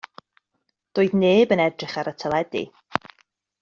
Doedd neb yn edrych ar y teledu.